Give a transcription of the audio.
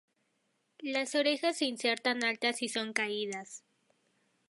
Las orejas se insertan altas y son caídas.